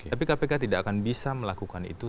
tapi kpk tidak akan bisa melakukan itu